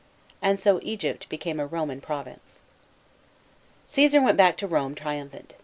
And so Egypt became a Roman province. Csesar went back to Rome, triumphant.